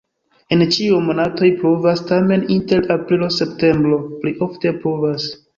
En ĉiuj monatoj pluvas, tamen inter aprilo-septembro pli ofte pluvas.